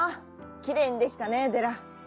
きれいにできたねデラ。